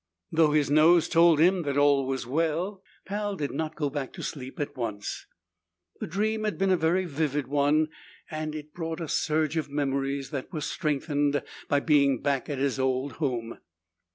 Though his nose told him that all was well, Pal did not go back to sleep at once. The dream had been a very vivid one and it brought a surge of memories that were strengthened by being back at his old home.